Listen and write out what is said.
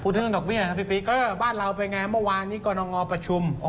พูดถึงดอกเบี้ยครับพี่ปีกก็บ้านเราไปไงเมื่อวานนี้กำลังงอประชุม